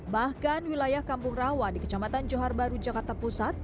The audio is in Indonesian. bahkan wilayah kampung rawa di kecamatan johar baru jakarta pusat